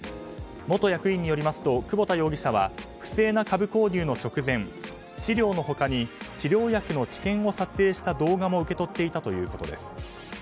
元役員によりますと久保田容疑者は不正な株購入の直前資料の他に治療薬の治験を撮影した動画も受け取っていたということです。